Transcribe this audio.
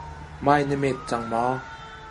Mai na met cang maw?